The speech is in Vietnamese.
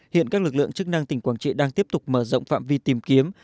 hiện các lực lượng chức năng tỉnh quảng trị đang tiếp tục mở rộng phạm vi tìm kiếm